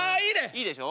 いいでしょ？